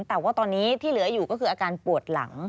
แต่ว่าตอนนี้ที่เหลืออยู่ก็คืออาการปวดหลัง